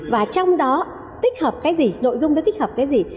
và trong đó tích hợp cái gì nội dung nó tích hợp cái gì